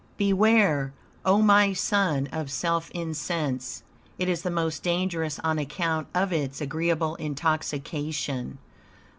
"Beware, O my son, of self incense. It is the most dangerous on account of its agreeable intoxication.